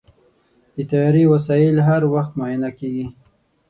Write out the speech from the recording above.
د طیارې وسایل هر وخت معاینه کېږي.